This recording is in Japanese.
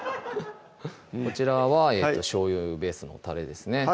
こちらはしょうゆベースのたれですね